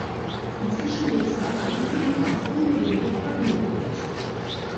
Inzwischen geht es auch an diesem Ort ungewöhnlich vergnüglich zu.